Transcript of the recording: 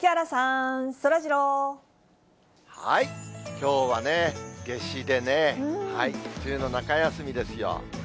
きょうはね、夏至でね、梅雨の中休みですよ。